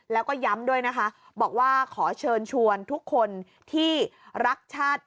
แล้วก็ย้ำด้วยนะคะบอกว่าขอเชิญชวนทุกคนที่รักชาติ